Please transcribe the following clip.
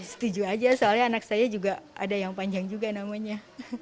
setuju aja soalnya anak saya juga ada yang panjang juga namanya